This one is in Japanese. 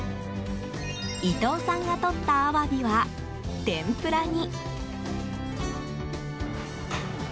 伊藤さんがとったアワビは天ぷらに。